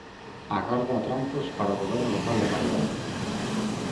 Agarda atrancos para o goberno local da Marea?